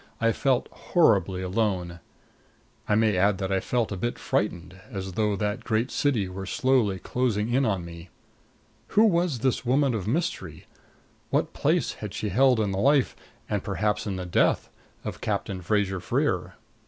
I felt horribly alone. I may add that I felt a bit frightened, as though that great city were slowly closing in on me. Who was this woman of mystery? What place had she held in the life and perhaps in the death of Captain Fraser Freer?